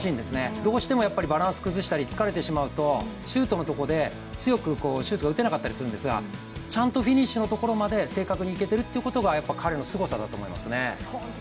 どうしてもバランス崩したり疲れてしまうと、シュートのとこで強くシュートが打てなかったりするんですがちゃんとフィニッシュのところまで正確に行けているところがやっぱ彼のすごさだと思いますね。